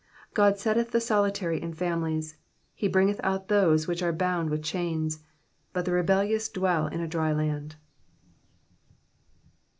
6 God setteth the solitary in families : he bringeth out those which are bound with chains : but the rebellious dwell in a dry /and.